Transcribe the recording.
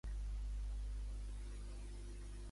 Arena Company i Anschutz Entertainment Group.